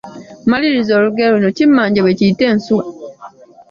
Maliriza olugero luno: Kimmanje bwe kita ensuwa....